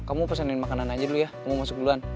kamu pesenin makanan aja dulu ya aku mau masuk duluan